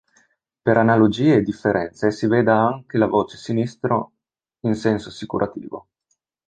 Per analogie e differenze, si veda anche la voce sinistro in senso assicurativo.